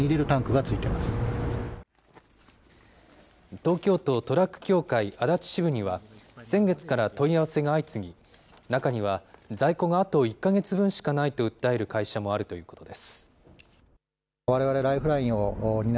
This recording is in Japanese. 東京都トラック協会足立支部には、先月から問い合わせが相次ぎ、中には、在庫があと１か月分しかないと訴える会社もあるということです。